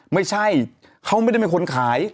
ไม่ใช่เขาไม่ได้เป็นคนขาย